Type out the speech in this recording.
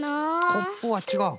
コップはちがう。